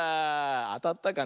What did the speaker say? あたったかな？